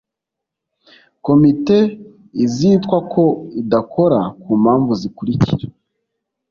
komite izitwa ko idakora ku mpamvu zikurikira